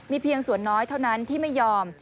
เพียงส่วนน้อยเท่านั้นที่ไม่ยอม